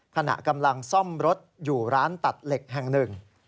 ขณะกำลังซ่อมรถอยู่ร้านตัดเหล็กแห่งหนึ่ง